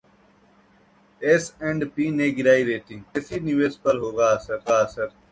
S&P ने गिराई rating, विदेशी निवेश पर होगा असर